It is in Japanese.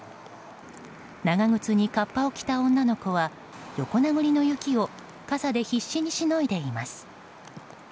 長靴にかっぱを着た女の子は横殴りの雪を傘で必死にしのいでいます。